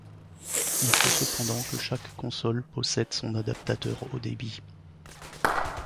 Il faut cependant que chaque console possède son adaptateur haut-débit.